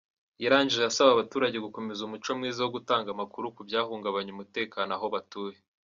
Yarangije asaba abaturage gukomeza umuco mwiza wo gutanga amakuru ku byahungabanya umutekano aho batuye.